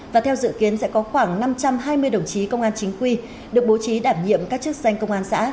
và theo dự kiến sẽ có khoảng năm trăm hai mươi đồng chí công an chính quy được bố trí đảm nhiệm các chức danh công an xã